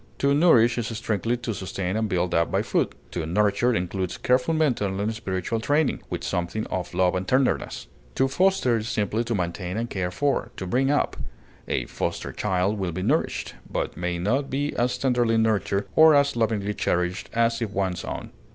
To nourish is strictly to sustain and build up by food; to nurture includes careful mental and spiritual training, with something of love and tenderness; to foster is simply to maintain and care for, to bring up; a foster child will be nourished, but may not be as tenderly nurtured or as lovingly cherished as if one's own.